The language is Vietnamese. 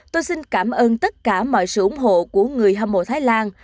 tôi xin cảm ơn tất cả mọi sự ủng hộ của người hâm mộ thái lan